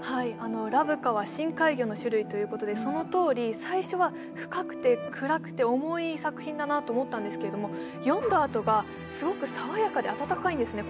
ラブカは深海魚の種類ということでそのとおり最初は深くて暗くい作品だと思ったんですが、読んだあとがすごく爽やかで温かいんですね。